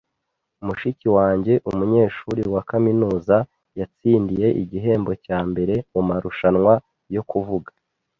Mushiki wanjye, umunyeshuri wa kaminuza, yatsindiye igihembo cya mbere mumarushanwa yo kuvuga